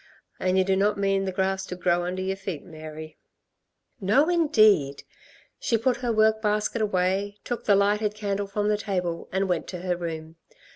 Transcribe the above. And you do not mean the grass to grow under y're feet, Mary?" "No, indeed!" She put her work basket away, took the lighted candle from the table and went to her room.